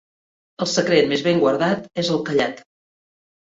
El secret més ben guardat és el callat.